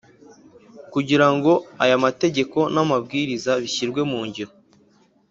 kugirango aya mategeko namabwiriza bishyirwe mungiro